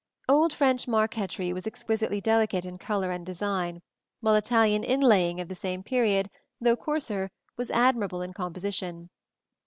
Old French marquetry was exquisitely delicate in color and design, while Italian inlaying of the same period, though coarser, was admirable in composition.